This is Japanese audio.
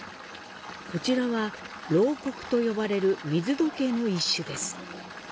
こちらは漏刻と呼ばれる水時計の一種です。